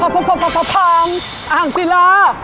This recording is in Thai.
พังอ่างศิลา